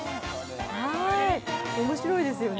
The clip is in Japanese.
面白いですよね。